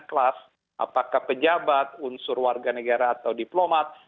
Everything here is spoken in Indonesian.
kelas apakah pejabat unsur warga negara atau diplomat